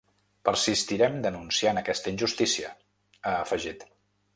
Persistirem denunciant aquesta injustícia, ha afegit.